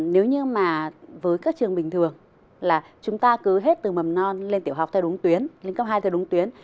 nếu như mà với các trường bình thường là chúng ta cứ hết từ mầm non lên tiểu học theo đúng tuyến lên cấp hai theo đúng tuyến